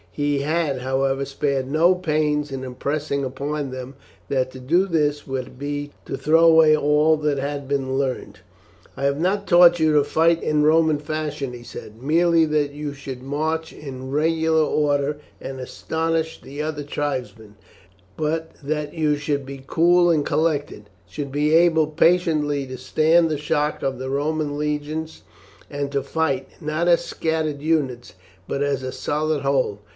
He had, however, spared no pains in impressing upon them that to do this would be to throw away all that they had learned. "I have not taught you to fight in Roman fashion," he said, "merely that you might march in regular order and astonish the other tribesmen, but that you should be cool and collected, should be able patiently to stand the shock of the Roman legion, and to fight, not as scattered units, but as a solid whole.